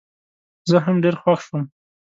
زه هم ډېر خوښ شوم.